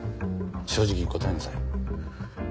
正直に答えなさい。